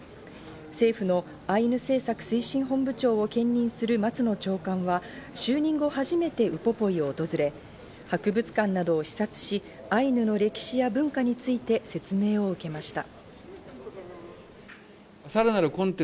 政府のアイヌ政策推進本部長を兼任する松野長官は、就任後初めてウポポイを訪れ、博物館などを視察し、アイヌの歴史や文化について説明を受けました。